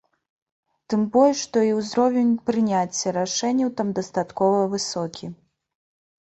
Тым больш, што і ўзровень прыняцця рашэнняў там дастаткова высокі.